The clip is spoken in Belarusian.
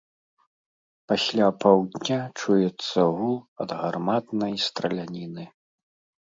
Пасля паўдня чуецца гул ад гарматнай страляніны.